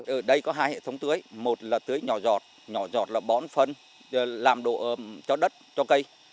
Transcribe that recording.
ở đây có hai hệ thống tưới một là tưới nhỏ giọt nhỏ giọt là bón phân làm độ ẩm cho đất cho cây